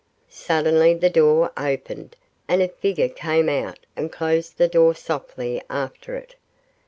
Suddenly the door opened, and a figure came out and closed the door softly after it.